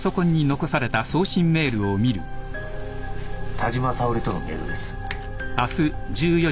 田島沙織とのメールです。